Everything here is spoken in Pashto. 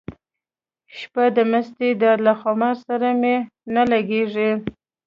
شپه د مستۍ ده له خمار سره مي نه لګیږي